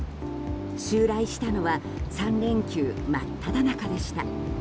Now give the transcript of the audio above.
襲来したのは３連休真っただ中でした。